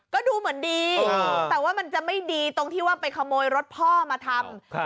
ก็ดูเหมือนดีแต่ว่ามันจะไม่ดีตรงที่ว่าไปขโมยรถพ่อมาทำ